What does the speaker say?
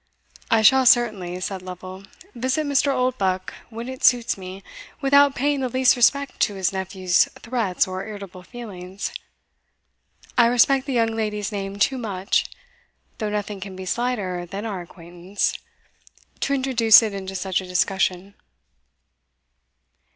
"I shall certainly," said Lovel, "visit Mr. Oldbuck when it suits me, without paying the least respect to his nephew's threats or irritable feelings. I respect the young lady's name too much (though nothing can be slighter than our acquaintance) to introduce it into such a discussion."